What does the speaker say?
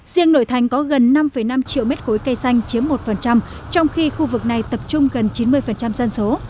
riêng nội thành có gần năm năm triệu mét khối cây xanh chiếm một trong khi khu vực này tập trung gần chín mươi dân số